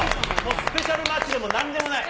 スペシャルマッチでもなんでもない。